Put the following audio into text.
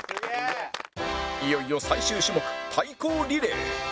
いよいよ最終種目対抗リレー